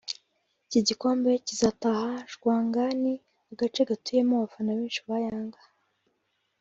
iki gikombe kizataha Jangwani( agace gatuyemo abafana benshi ba Yanga)